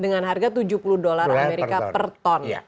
dengan harga tujuh puluh dolar amerika per ton